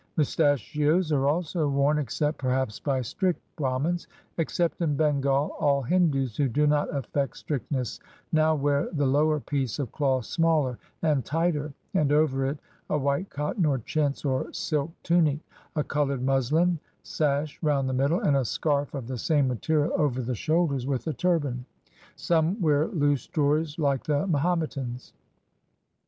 Mustachios are also worn, except perhaps by strict Bramins. Except in Bengal, all Hindus who do not affect strictness now wear the lower piece of cloth smaller and tighter, and over it a white cotton or chintz or silk tunic, a colored musHn sash round the middle, and a scarf of the same material over the shoulders, with a turban; some wear loose drawers like the Mahometans.